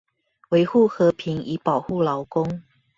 維護和平以保護勞工